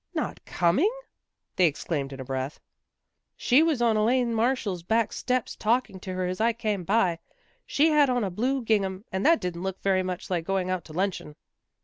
" Not com ing! " they exclaimed in a breath. " She was on Elaine Marshall's back steps talking to her as I came by. She had on a blue gingham, and that didn't look very much like going out to luncheon."